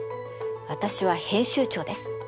私は編集長です。